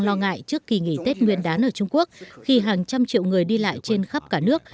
lo ngại trước kỳ nghỉ tết nguyên đán ở trung quốc khi hàng trăm triệu người đi lại trên khắp cả nước